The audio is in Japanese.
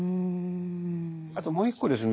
あともう一個ですね